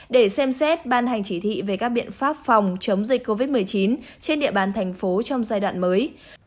để xem xét ban hành chỉ thị về các biện pháp phòng chống dịch covid một mươi chín trên địa bàn thành phố trong giai đoạn mới